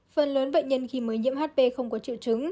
phần lớn bệnh nhân khi mới nhiễm hp không có triệu chứng